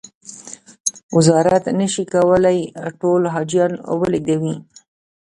وزارت نه شي کولای ټول حاجیان و لېږدوي.